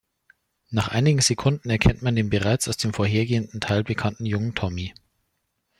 Nach einigen Sekunden erkennt man den bereits aus dem vorhergehenden Teil bekannten Jungen Tommy.